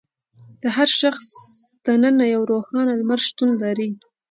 د هر شخص دننه یو روښانه لمر شتون لري.